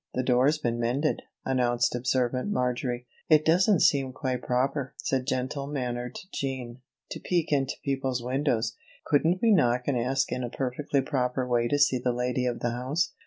"The door's been mended," announced observant Marjory. "It doesn't seem quite proper," said gentle mannered Jean, "to peek into people's windows. Couldn't we knock and ask in a perfectly proper way to see the lady of the house?"